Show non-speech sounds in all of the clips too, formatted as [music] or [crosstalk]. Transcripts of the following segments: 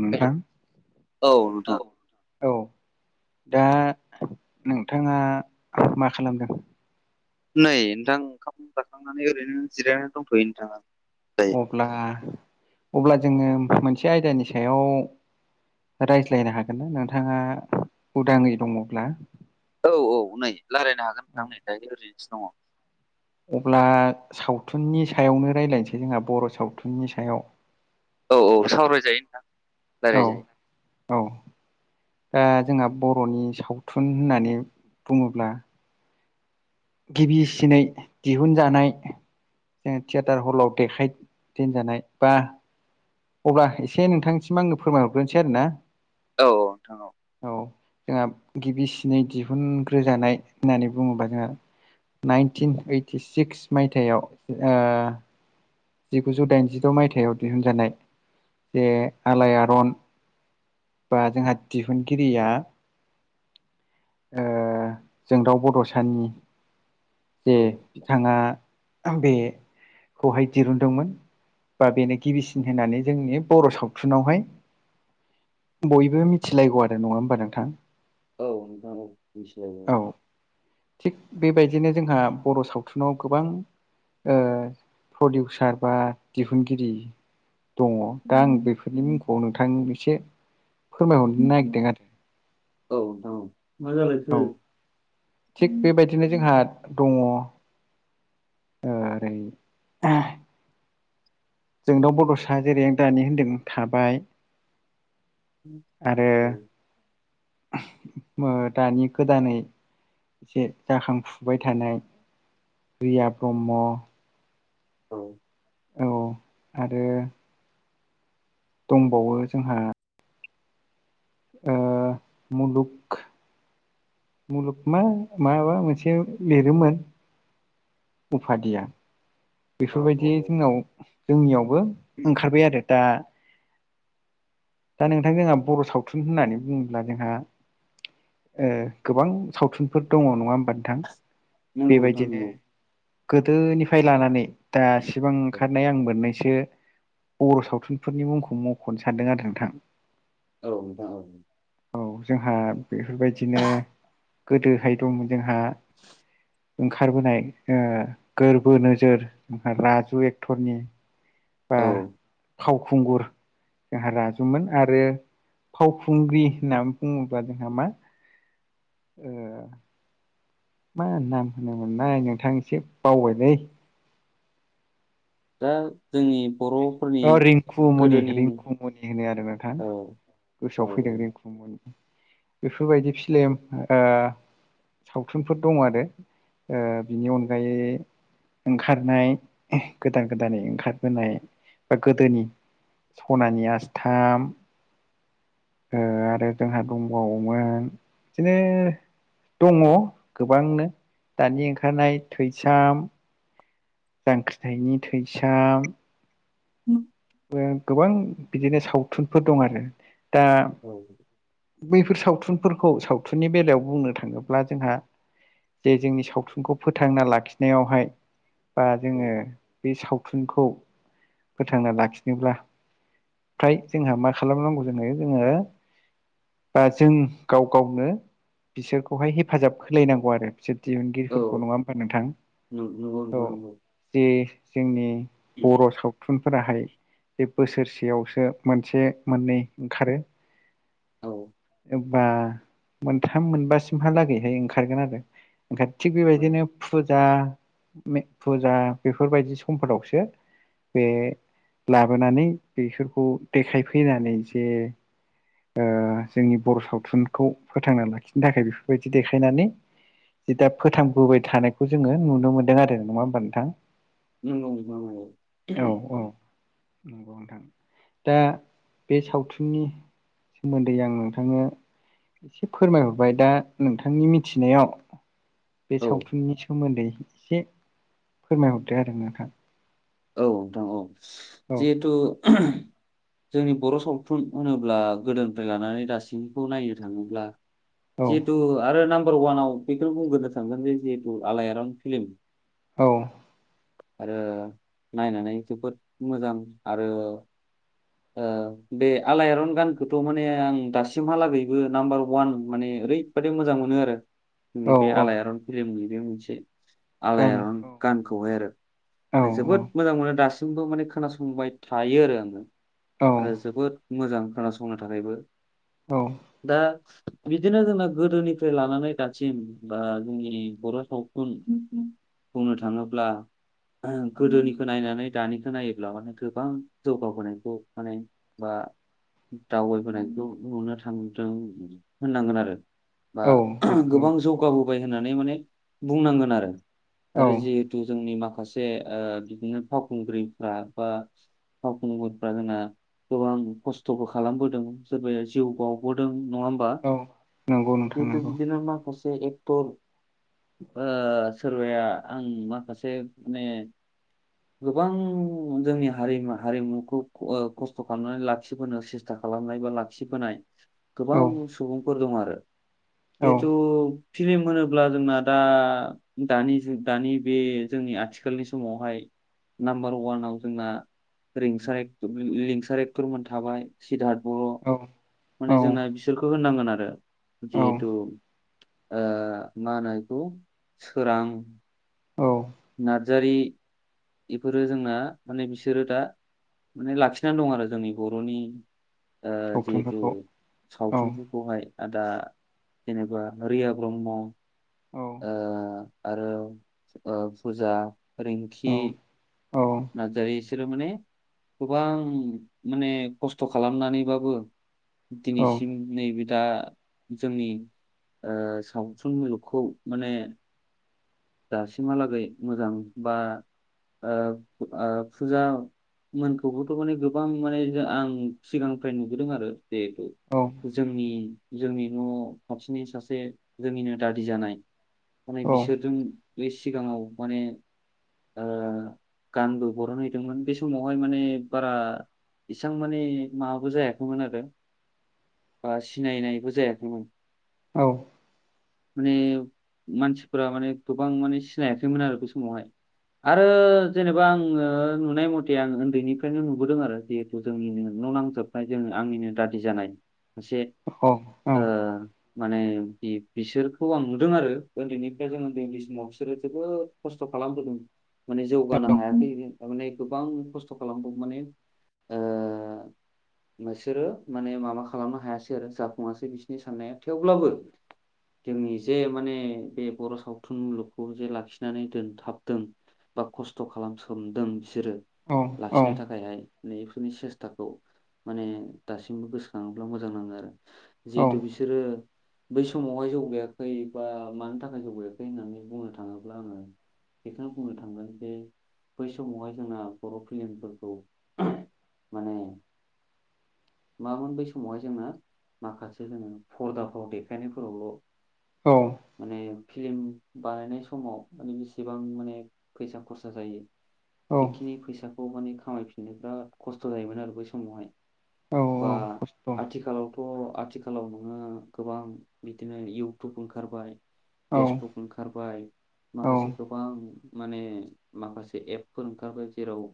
नोंथां औ औ दा नोंथाङा मा खालामदों? नै नोंथां ओंखाम जाखांनानै ओरैनो जिरायनानै दंथ'यो नोंथाङा अब्ला अब्ला जोङो मोनसे आयदानि सायाव रायज्लायनो हागोन ना नोंथाङा उदाङै दङब्ला औ औ नै रायलायनो हागोन औ नोंथां नै दायो ओरैनोसो दङ। अब्ला सावथुननि सायावनो रायज्लायनोसै जोंहा बर' सावथुननि सायाव। औ औ सावरायजायो नोंथां औ रायज्लायजायो। औ दा जोंहा बर'नि सावथुन होननानै बुङोब्ला गिबिसिनै दिहुनजानाय जोङो थियेटार हलाव देखाय देनजानाय बा अब्ला एसे नोंथांनिसिम आंनो फोरमायहरग्रोनोसै आरो ना। औ औ नोंथां औ औ जोंहा गिबिसिनै दिहुनग्रोजानाय होननानै बुङोबा जोंहा नाइनटिन ओइटि सिक्स मायथाइयाव ओ जिगुजौ दाइनजिद' मायथाइयाव दिहुनजानाय बे आलायारन बा जोंहा दिहुनगिरिया ओ जोंदाउ बड'सानि जे औ बिथाङा बेखौहाय दिरुनदोंमोन बा बेनो गिबिसिन होननानै जोंनि बर' सावथुनावहाय बयबो मिथिलायगौ आरो नङा होमबा नोंथां। औ नोंथा औ थिग बेबायदिनो जोंहा बर' सावथुनाव गोबां प्रडिउसार बा दिहुनगिरि दङ दा आं बेफोरनि मुंखौ नोंथां एसे फोरमायहरनो नागिरदों आरो। औ नोंथां मा जालायखो औ थिग बेबायदिनो जोंहा दङ ओरै जोंदाव बड'सा जेरै आं दानि होनदों थाबाय आरो औ दानि गोदानै एसे जाखांफुबाय थानाय रिया ब्रह्म औ औ आरो दंबावो जोंहा ओ मुलुग मुलुग मा माबा मोनसे लिरोमोन उफादिया औ औ बेफोरबायदि औ जोंनाव जोंनियावबो ओंखारबाय आरो दा दा नोंथां जोंहा बर' सावथुन होननानै बुङोब्ला जोंहा ओ गोबां सावथुनफोर दङ नङा होमबा नोंथां नंगौ नोंथां बेबायदिनो नंगौ। गोदोनिफ्राय लानानै दासिबां औ ओंखारनाय आं मोननैसो बर' सावथुनफोरनि मुंखौ मख'नो सानदों आरो नोंथां औ नोंथां औ औ जोंहा बेफोरबायदिनो गोदोहाय दंमोन जोंहा ओंखारबोनाय गोरबो नोजोर राजु एक्टरनि बा औ फावखुंगुर जोंहा राजुमोन आरो फावखुंग्रि होननानै बुङोब्ला जोंहा मा मा नाम होनोमोनलनाय नोंथां एसे बावबाय दैै दा जोंनि बर' औ रिंकुमनि रिंकुमनि होनो आरो नोंथां औ औ गोसोआव फैदों रिंकुमनि बेफोरबायदि फिलिम ओ सावथुनफोर दं आरो ओ बिनि अनगायै ओंखारनाय गोदान गोदानै ओंखारबोनाय बा गोदोनि सनानि आसथाम आरो जोंहा दंबावोमोन बिदिनो दङ गोबांनो दानि ओंखारनाय थैसाम जांख्रिथायनि थैसाम न गोबां बिदिनो सावथुनफोर दं आरो दा औ बैफोर सावथुनफोरखौ सावथुननि बेलायाव बुंनो थाङोब्ला जोंहा जे जोंनि सावथुनखौ फोथांना लाखिनायावहाय बा जोङो औ बे सावथुनखौ फोथांना लाखि नोब्ला फ्राय जोंहा मा खालामनांगौ जोङो जोङो ओ जों गाव गावनो बिसोरखौहाय हेफाजाब होलायनांगौ आरो बिसोर दिहुनगिरिफोरखौ औ नङा होमबा नोंथां नं- नंगौ औ। नोंथां नंगौ जे जोंनि बर' सावथुनफोराहाय बे बोसोरसेयावसो मोनसे मोननै ओंखारो। औ। बा मोनथाम मोनबासिमहालागैहाय ओंखारगोन आरो ओं थिग माने बेबायदिनो फुजा फुजा बेफोरबायदि समफोरावसो बे लाबोनानै बेफोरखौ देखायफैनानै जे ओ जोंनि बर' सावथुनखौ फोथांना लाखिनो थाखाय बेफोरबायदि देखायनानै जि दा फोथांबोबाय थानायखौ जोङो नुनो मोनदों आरो नङा होमबा नोंथां नोंनौ मा नांगौ। औ औ नंगौ नोंथां। दा बे सावथुननि सोमोन्दै आं नोंथांनो एसे फोरमायहरबाय दा नोंथांनि मिथिनायाव बे औ सावथुननि सोमोन्दै एसे फोरमायहरदो आरो नोंथां। औ नोंथां औ औ जिहेथु। जोंनि बर' सावथुन होनोब्ला गोदोनिफ्राय लानानै दासिमखौ नायनो थाङोब्ला औ जिहेतु आरो नाम्बार वानाव बेखौनो बुंग्रोनो थांगोन जे जिहेतु आलायारन। औ। आरो नायनानै जोबोद मोजां आरो। ओ बे आलायारन गानखौथ' माने आं दासिमहालागैबो नाम्बार अवान माने बादि मोजां मोनो आरो औ ओंनि बे औ आलायारन फिल्मनि बे मोनसे गान आलायारन। औ गानखौहाय आरो औ जोबोद मोजां मोनो दासिमबो माने खोनासंबाय थायो आरो आङो। औ आरो जोबोद मोजां खोनासंनो थाखायबो दा बिदिनो जोंना गोदोनिफ्राय लानानै दासिम बा जोंनि बर' सावथुन। बुंनो थाङोब्ला गोदोनिखो नायनानै दानिखो नायोब्ला माने गोबां जौगाबोनायखौ माने बा दावबायबोनायखौ नुनो थांदों होननांगोन आरो। बा औ नंगौ गोबां जौगाबु बाय होननानै माने बुंनांगोन औ आरो जिहेतु जोंनि माखासे से ओ बिदिनो फावखुंग्रिफ्रा बा फावखुंगुरफ्रा जोंना गोबां खस्थ'बो खालामबोदों सोरबाया जिउ बाव बोदों नङा होमबा औ नंगौ नोंथां खिन्थु नंगौ बिदिनो माखासे से एक्टर ओ सोरबाया आं माखासे माने गोबां जोंनि हारिमा हारिमुखौ ओ खस्थ' खालामनानै लाखिबोनो सेस था खालामनाय बा लाखिबोनाय औ गोबां सुबुंफोर दं आरो। औ जिहेतु फिलिम होनोब्ला जोंना दा दानि जुग दानि बे जोंनि आथिखालनि समावहाय नाम्बार वानाव जोंना रिंसार एक लिंसार एक्टरमोन थाबाय सिदधार बर'। औ। माने औ जोंना बिसोरखौ होननांगोन आरो औ जिहेथु ओ मा होनो इखौ सोरां औ नार्जारि। इफोरो जोंना माने बिसोरो दा माने लाखिनानै दं आरो जोंनि बर'नि ओ जिहेतु सावथुनफोरखौ औ सावथुन। बहाय आदा जेनेबा रिया ब्रह्म। औ ओ आरो ओ फुजा रिंखि। नार्जारि इसोरो माने गोबां माने खस्थ' खालामनानैबाबो दिनिसिम नैबे दा जोंनि ओ सावथुन मुलुगखौ माने दासिमहालागै मोजां बा ओ ओ फुजा मोनखौबोथ' माने गोबां माने आं सिगांनिफ्राय नुबोदों आरो जिहेथु जोंनि जोंनि न' फारकनि सासे जोंनिनो दादि जानाय माने बिसोरजों बे सिगाङाव माने ओ गानबो बरनहैदोंमोन बे समावहाय माने बारा इसां माने माबाबो जायाखैमोन आरो बा सिनायनायबो जायाखैमोन। औ। माने मानसिफोरा माने एथबां माने सिनायाखैमोन आरो बे समावहाय। आरो जेनेबा आङो नुनाय मथे आं ओनदैनिफ्रायनो नुबोदों आरो जिहे थु जोंनिनो न' नांजोबनाय जोङो आंनिनो दादै जानाय मोनसे ओ माने जि बिसोरखौ आं नुदों आरो ओनदैनिफ्राय जों उन्दै-उन्दै समाव बिसोरो जोबोद खस्थ' खालामबोदों माने जौगानो हायाखै थारमाने गोबां खस्थ' खालामबाबो माने ओ बिसोरो माने माबा खालामनो हायासै आरो जाफुङासै बिसोरनि साननाया थेवब्लाबो। जोंनि जे माने बे बर' सावथुन मुलुगखौ जे लाखिनानै दोनथाबदों बा खस्थ' खालाम सोमदों बिसोरो औ लाखिनो थाखायहाय। बेफोरनि सेस्थाखौ माने दासिमबो गोसोखाङोब्ला मोजां नाङो आरो जिहेथु बिसोरो बै समावहाय जौ जौगायाखै बा मानि थाखाय जौगागयाखै होननानै बुंनो थाङोब्ला आङो। बेखौ बुंनो थांगोन जे बै समावहाय जोंना बर' फिलमफोरखौ माने मामोन बै समावहाय जोंना माखासे जोङो फरदाफोराव देखायनायफोरावल' औ माने फिलम बानायनाय समाव माने बेसेबां माने फैसा खरसा जायो। औ बेखिनि फैसाखौ माने खामायफिननोबा बिराद खस्थ' जायोमोन आरो बै समावहाय। औ बा खस्थ' आथिखालाव। आथिखालाव नोङो गोबां बिदिनो इउटुब ओंखारबाय औ फेस्टक ओंखारबाय। औ माखासे गोबां माने माखासे एपफोर ओंखारबाय जेराव।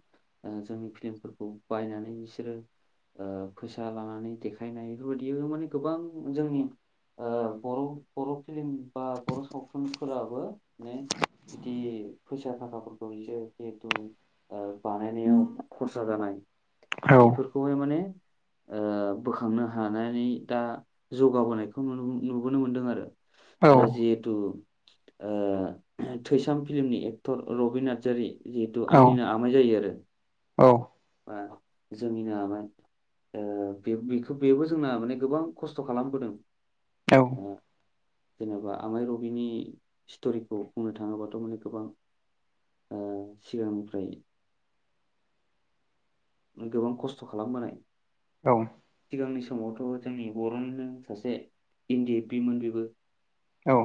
ओ जों फिलि्मफोरखौ बायनानै बिसोरो फैसा लानानै देखायनाय बेफोरबायदि माने गोबां जोंनि ओ बर' बर' फिलिम बा बर' सावथुनफोराबो माने बिदि फैसा थाखाफोरखौ बिसे जिहेथु ओ बानायनायाव खरसा जानाय औ बेफोरखौहाय माने। ओ बोखांनो हानानै दा जौगाबोनायखौ नु नुबोनो मोनदों आरो औ आरो जिहेथु ओ थैसाम फिल्मनि एक्टर रबि नार्जारि जिहेतु आंनिनो आमाय जायो आरो औ ओ बा जोंनिनो आमाय। ओ बे बेखौ बेबो जोंना माने गोबां खस्थ' खालामबोदों। औ ओ जेनेबा आमाइ रबिनि स्ट'रिखौ बुंनो थाङोबाथ' माने गोबां। ओ सिगांनिफ्राय गोबां खस्थ' खालामबोनाय औ सिगांनि समावथ' जोंनि बर'निजों सासे इनदि एफ बिमोन बेबो औ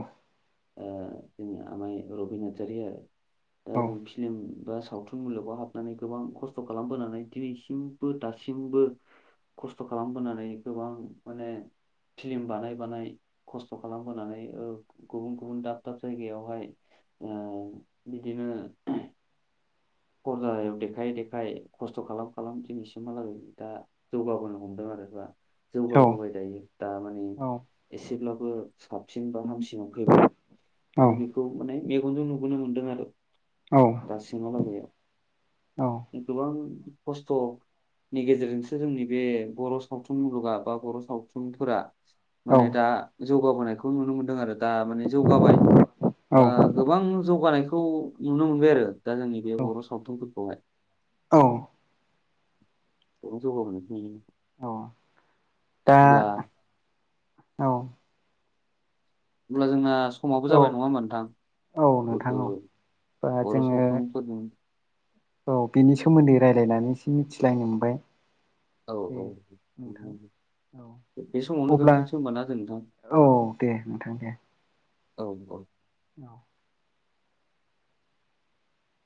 ओ जोंनि आमाय रबि नार्जारि आ औ फिलिम बा सावथुन मुलुगाव हाबनानै गोबां खस्थ' खालामबोनानै दिनैसिमबो दासिमबो खस्थ' खालामबोनानै गोबां माने। फिलिम बानाय बानाय। खस्थ' खालाम होनानै ओ गुबुन गुबुन दाब दाब जायगायावहाय। ओ बिदिनो फरदायाव देखाय देखाय खस्थ' खालाम खालाम दिनैसिमहालागै दा। जौगाबोनो हमदों आरो बा जौगाबोबाय दायो। दा माने एसेब्लाबो साबसिन बा हामसिनाव फैबाय। माने बेखौ माने औ दा सिमहालागैया गोबां खस्थ' नि गेजेरजोंसो जोंनि बे बर' सावथुन मुलुगा बा बर' सावथुनफोरा माने दा जौगाबोनायखौ नुनो मोनदों आरो दा माने जौगाबाय बा गोबां जौगानायखौ नुनो मोनबाय आरो दा जोंनि बे बर' सावथुनफोरखौहाय दा [unintelligible] औ अब्ला जोंना औ समावबो जाबाय नङा होमबा नोंथां औ नोंथां औ बा जोङो [unintelligible] औ बिनि सोमोन्दै रायलायनानै एसे मिथिलायनो मोनबाय औ दे औ नोंथां [unintelligible] औ बे समावनो अब्ला दोनथनसै होमबा नाजों नोंथां औ दे नोंथां दे औ औ औ